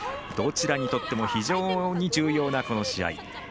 どちらにとっても非常に重要な、この試合。